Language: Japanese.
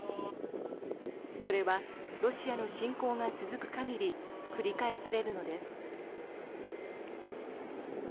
それはロシアの侵攻が続く限り繰り返されるのです。